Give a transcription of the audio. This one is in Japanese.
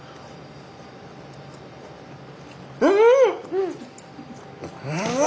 うん！